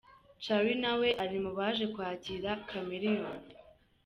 Charly nawe ari mubaje kwakira Chameleone.